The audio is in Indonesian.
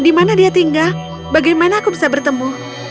di mana dia tinggal bagaimana aku bisa bertemu